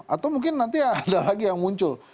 atau mungkin nanti ada lagi yang muncul